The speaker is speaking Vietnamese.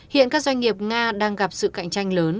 hiện các doanh nghiệp nga đang gặp sự cạnh tranh lớn